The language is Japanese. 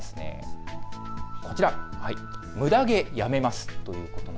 きょうはこちら、むだ毛やめます。